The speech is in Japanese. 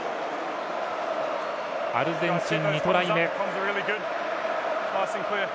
アルゼンチン、２トライ目。